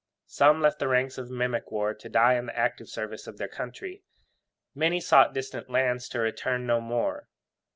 Some left the ranks of mimic war to die in the active service of their country. Many sought distant lands to return no more.